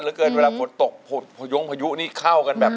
เกินเวลาฝนตกพยงพายุนี่เข้ากันแบบ